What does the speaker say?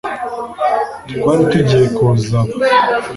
twari tugiye kuza aba